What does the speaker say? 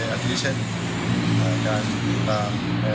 อัตโนมัติเช่นอาจารย์ติดตาม